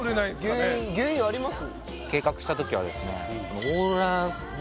原因原因あります？